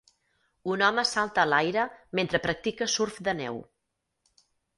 Un home salta a l'aire mentre practica surf de neu.